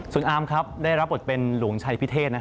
คุณอาร์มครับได้รับบทเป็นหลวงชัยพิเทศ